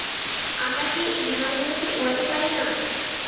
আমরা কি এই বিমানগুলোকে উড়াতে পারি না?